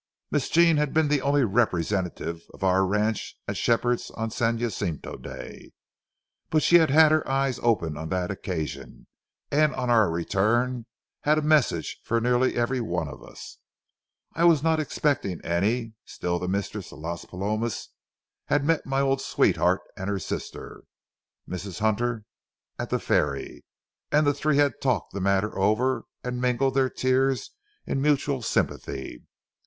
Miss Jean had been the only representative of our ranch at Shepherd's on San Jacinto Day. But she had had her eyes open on that occasion, and on our return had a message for nearly every one of us. I was not expecting any, still the mistress of Las Palomas had met my old sweetheart and her sister, Mrs. Hunter, at the ferry, and the three had talked the matter over and mingled their tears in mutual sympathy.